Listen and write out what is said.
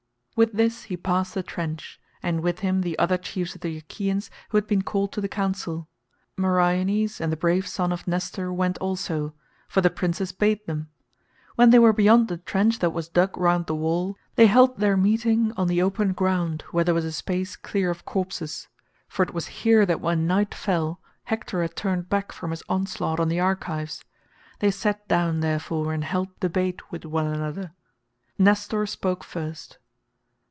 With this he passed the trench, and with him the other chiefs of the Achaeans who had been called to the council. Meriones and the brave son of Nestor went also, for the princes bade them. When they were beyond the trench that was dug round the wall they held their meeting on the open ground where there was a space clear of corpses, for it was here that when night fell Hector had turned back from his onslaught on the Argives. They sat down, therefore, and held debate with one another. Nestor spoke first.